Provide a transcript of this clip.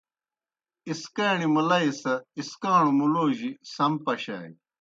اِسکاݨیْ مُلئی سہ اِسکاݨوْ مُلوجیْ سم پشانیْ۔